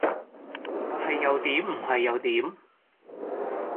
係又點唔係有點？